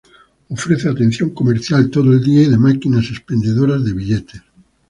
Ofrece atención comercial todo el día y de máquinas expendedoras de billetes.